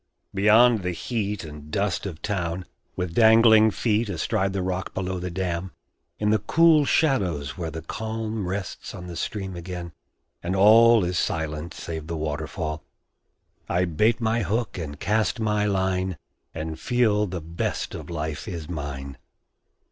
Beyond the heat And dust of town, with dangling feet Astride the rock below the dam, In the cool shadows where the calm Rests on the stream again, and all Is silent save the waterfall, I bait my hook and cast my line, And feel the best of life is mine.